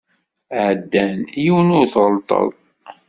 Ɛeddan yiwen, ur t-tɣellteḍ.